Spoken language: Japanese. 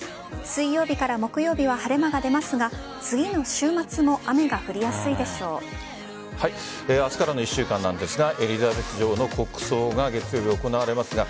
水曜日から木曜日は晴れ間が出ますが、次の週末も明日からの１週間なんですがエリザベス女王の国葬が月曜日に行われますが